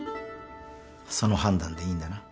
その判断でいいんだな？